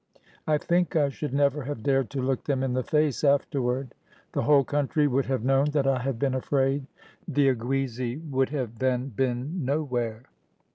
I think I should never have dared to look them in the face afterward. The whole country would have known that I had been afraid. The Oguizi would have then been nowhere.